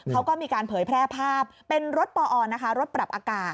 เขาก็มีการเผยแพร่ภาพเป็นรถปอนะคะรถปรับอากาศ